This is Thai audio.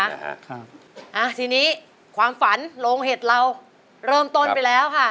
อ่าทีนี้ความฝันโรงเหตุเราเริ่มต้นไปแล้วค่ะ